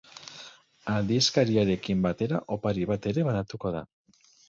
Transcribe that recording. Aldizkariarekin batera, opari bat ere banatuko da.